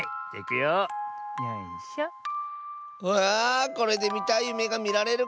これでみたいゆめがみられるかも！